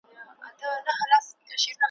یو څو ورځي یې لا ووهل زورونه `